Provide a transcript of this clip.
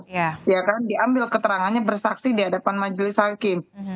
ya kan diambil keterangannya bersaksi di hadapan majelis hakim